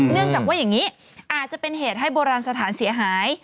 เนื่องจากว่าอย่างนี้อาจจะเป็นเหตุให้โบราณสถานเสียหาย